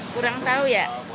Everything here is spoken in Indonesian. kurang tahu ya